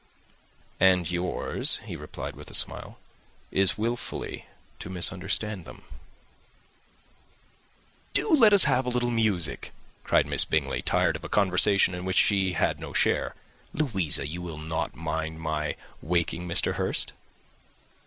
"And yours," he replied, with a smile, "is wilfully to misunderstand them." "Do let us have a little music," cried Miss Bingley, tired of a conversation in which she had no share. "Louisa, you will not mind my waking Mr. Hurst."